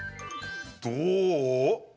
どう？